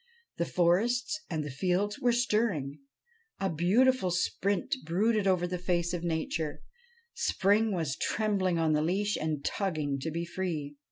The forests and the fields were stirring. A beautiful spirit brooded over the face of nature; spring was trembling on the leash and tugging to be free.